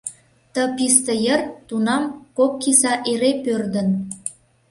Ты писте йыр тунам кок киса эре пӧрдын.